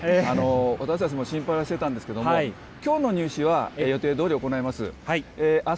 私たちも心配はしてたんですけれども、きょうの入試は予定どおり行います。